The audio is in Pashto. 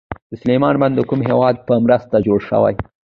د سلما بند د کوم هیواد په مرسته جوړ شو؟